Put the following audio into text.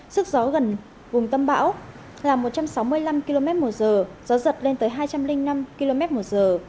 sức gió gần vùng tâm bão là một trăm sáu mươi năm km một giờ gió giật lên tới hai trăm linh năm km một giờ